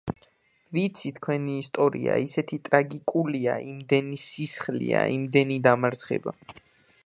ვიცი თქვენი ისტორია, ისეთი ტრაგიკულია, იმდენი სისხლია, იმდენი დამარცხება.